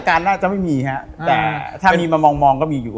การน่าจะไม่มีฮะแต่ถ้ามีมามองก็มีอยู่